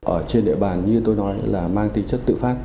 ở trên địa bàn như tôi nói là mang tính chất tự phát